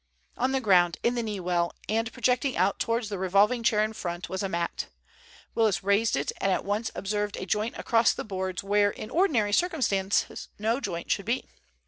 On the ground in the knee well, and projecting out towards the revolving chair in front, was a mat. Willis raised it, and at once observed a joint across the boards where in ordinary circumstances no joint should be.